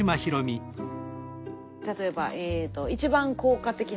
例えば「一番効果的な『反復』」。